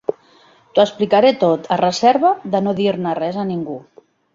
T'ho explicaré tot a reserva de no dir-ne res a ningú.